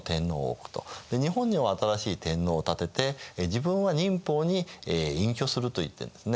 日本には新しい天皇を立てて自分は寧波に隠居すると言ってるんですね。